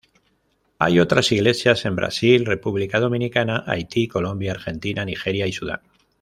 Hay otras iglesias en Brasil, República Dominicana, Haiti, Colombia, Argentina, Nigeria y Sudán.